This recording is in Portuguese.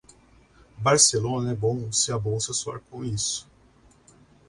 Barcelona é bom se a bolsa soar como isso.